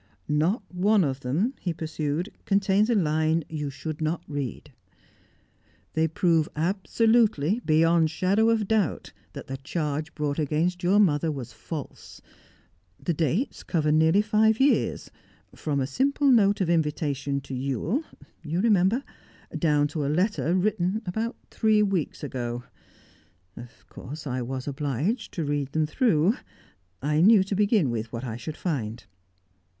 "Not one of them," he pursued, "contains a line that you should not read. They prove absolutely, beyond shadow of doubt, that the charge brought against your mother was false. The dates cover nearly five years from a simple note of invitation to Ewell you remember down to a letter written about three weeks ago. Of course I was obliged to read them through; I knew to begin with what I should find.